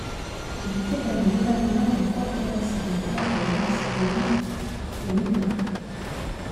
Il fut également gouverneur des forteresses de Galgocz et Likavka.